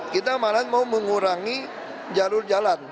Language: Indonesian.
kita malah mau mengurangi jalur jalan